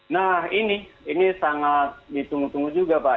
nah ini ini sangat ditunggu tunggu juga pak